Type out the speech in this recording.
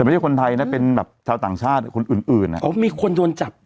แต่ไม่ใช่คนไทยนะเป็นดับชาวต่างชาติคนอื่นมีคนโดนจับ